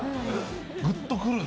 グッとくるね。